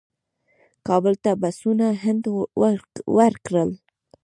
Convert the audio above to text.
کابل ته بسونه هند ورکړل.